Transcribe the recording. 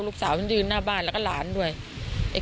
พอลูกเขยกลับเข้าบ้านไปพร้อมกับหลานได้ยินเสียงปืนเลยนะคะ